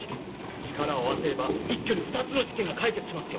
力を合わせれば一挙に２つの事件が解決しますよ。